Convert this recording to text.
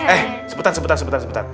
eh sebentar sebentar sebentar